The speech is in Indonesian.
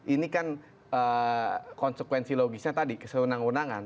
ini kan konsekuensi logisnya tadi keseluruhan undangan